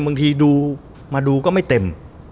บางทีดูมาดูก็ไม่เต็ม